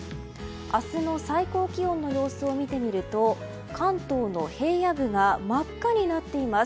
明日の最高気温の様子を見てみると関東の平野部が真っ赤になっています。